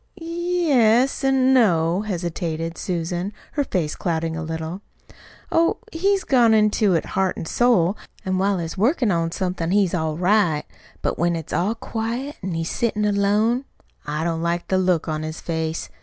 "Y yes, an' no," hesitated Susan, her face clouding a little. "Oh, he's gone into it heart an' soul; an' while he's workin' on somethin' he's all right. But when it's all quiet, an' he's settin' alone, I don't like the look on his face.